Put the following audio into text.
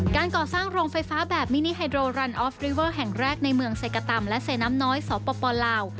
การก่อสร้างโรงไฟฟ้าแบบมินิไฮโดรันออฟริเวอร์แห่งแรกในเมืองเซกตำและเซน้ำน้อยสปลาว